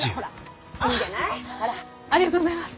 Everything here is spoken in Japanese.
ありがとうございます。